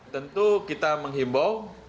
tentu kita menghimbau